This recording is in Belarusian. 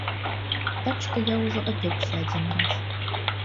Так што я ўжо апёкся адзін раз.